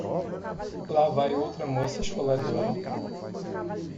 Lá vai outra moça esfoladora.